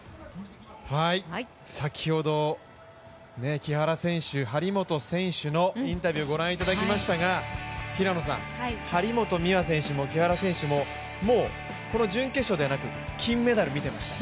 先ほど木原選手、張本選手のインタビューご覧いただきましたが張本美和選手も木原選手ももう準決勝ではなく金メダルを見てましたね。